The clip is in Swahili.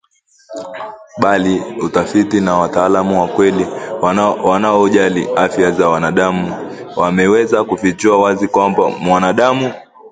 Bali utafiti na wataalamu wa kweli wanaojali afya za wanadamu wameweza kufichua wazi kwamba mwanadamu